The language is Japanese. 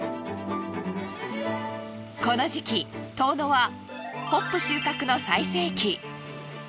この時期遠野はホップ収穫の最盛期。